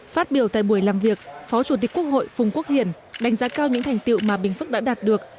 phát biểu tại buổi làm việc phó chủ tịch quốc hội phùng quốc hiển đánh giá cao những thành tiệu mà bình phước đã đạt được